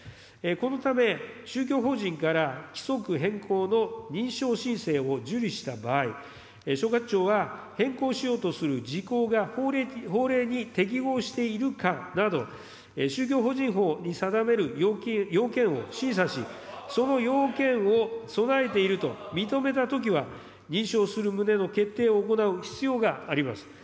このため、宗教法人から規則変更の認証申請を受理した場合、所轄庁は変更しようとする事項が法令に適合しているかなど、宗教法人法に定める要件を審査し、その要件を備えていると認めたときは、認証する旨の決定を行う必要があります。